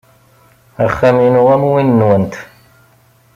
Axxam-inu am win-nwent.